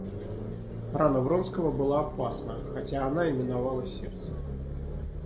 Рана Вронского была опасна, хотя она и миновала сердце.